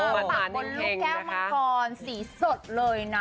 ปักบนลูกแก้วมังกรสีสดเลยนะ